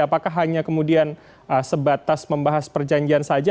apakah hanya kemudian sebatas membahas perjanjian saja